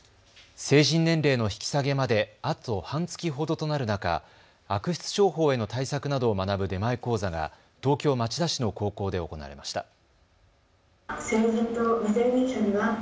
成人年齢の引き下げまであと半月ほどとなる中、悪質商法への対策などを学ぶ出前講座が東京町田市の高校で行われました。